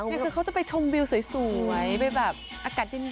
คือเค้าจะไปชมวิวสวยไปแบบอากาศยิ่ง